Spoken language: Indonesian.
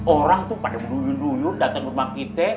orang tuh pada duduyun duduyun dateng rumah kita